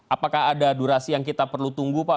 apakah ada durasi yang kita perlu tunggu pak